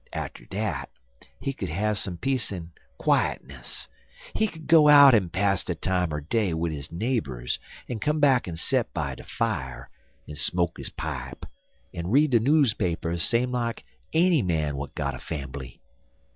Atter dat he could have some peace en quietness. He could go out en pass de time er day 'wid his neighbors, en come back en set by de fier, en smoke his pipe, en read de newspapers same like enny man w'at got a fambly.